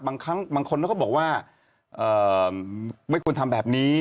บางครั้งบางคนก็บอกว่าเอ่อไม่ควรทำแบบนี้